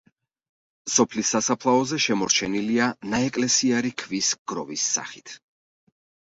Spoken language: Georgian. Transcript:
სოფლის სასაფლაოზე შემორჩენილია ნაეკლესიარი ქვის გროვის სახით.